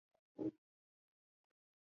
هغه ستا پاچاهي له منځه یوسي.